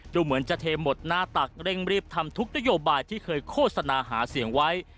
ดูเหมือนจะเทหมดหน้าตักเร่งรีบทำทุกนโยบายที่เคยโฆษณาหาเสียงไว้